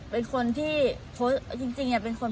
เป็นคนที่จริงอย่าเป็นคน